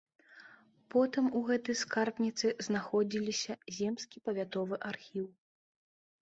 Потым у гэтай скарбніцы знаходзіліся земскі павятовы архіў.